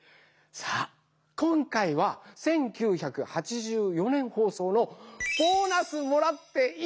さあ今回は１９８４年ほうそうの「ボーナスもらっていい湯だな」